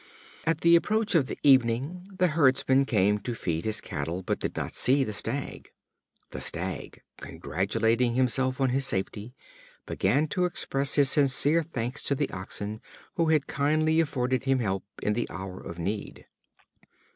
At the approach of the evening the herdsman came to feed his cattle, but did not see the Stag. The Stag, congratulating himself on his safety, began to express his sincere thanks to the Oxen who had kindly afforded him help in the hour of need.